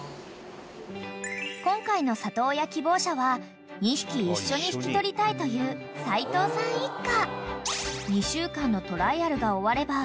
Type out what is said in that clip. ［今回の里親希望者は２匹一緒に引き取りたいという齊藤さん一家］